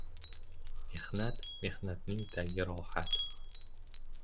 Mehnat, mehnatning tagi — rohat.